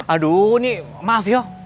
aduh ini maaf yuk